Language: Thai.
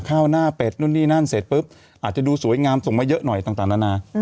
ข้าวหน้าเป็ดนู่นนี่นั่นเสร็จปุ๊บอาจจะดูสวยงามส่งมาเยอะหน่อยต่างนานา